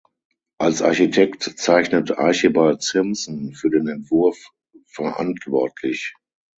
Als Architekt zeichnet Archibald Simpson für den Entwurf verantwortlich.